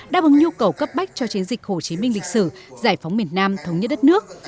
đáp ứng nhu cầu cấp bách cho chiến dịch hồ chí minh lịch sử giải phóng miền nam thống nhất đất nước